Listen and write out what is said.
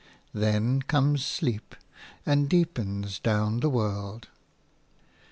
Then comes sleep, and deepens down the world.